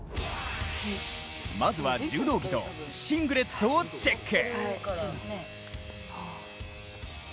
まずは柔道着とシングレットをチェック。